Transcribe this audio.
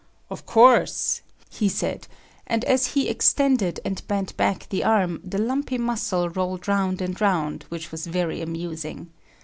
"Of course," he said, and as he extended and bent back the arm, the lumpy muscle rolled round and round, which was very amusing.